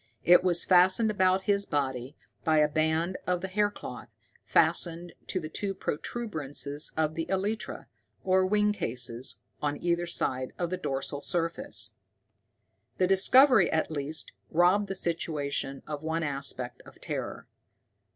It was fastened about his body by a band of the hair cloth, fastened to the two protuberances of the elytra, or wing cases, on either side of the dorsal surface. The discovery at least robbed the situation of one aspect of terror.